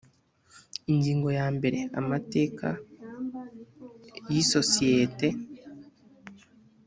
ingingo ya mbere amateka y isosiyete